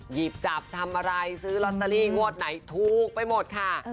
หยิบจับทำอะไรซื้อลอตเตอรี่งวดไหนถูกไปหมดค่ะ